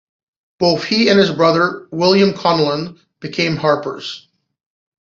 Both he and his brother, William Connellan became harpers.